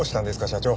社長。